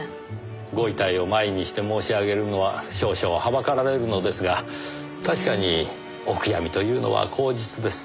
ご遺体を前にして申し上げるのは少々はばかられるのですが確かにお悔やみというのは口実です。